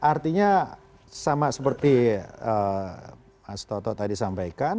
artinya sama seperti mas toto tadi sampaikan